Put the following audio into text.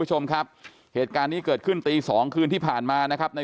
คุณผู้ชมครับเหตุการณ์นี้เกิดขึ้นตีสองคืนที่ผ่านมานะครับใน